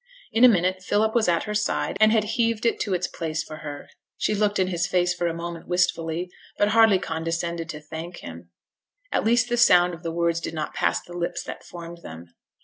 In a minute Philip was at her side, and had heaved it to its place for her. She looked in his face for a moment wistfully, but hardly condescended to thank him; at least the sound of the words did not pass the lips that formed them.